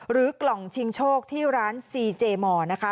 หรือกล่องชิงโชคที่ร้านซีเจมอร์นะคะ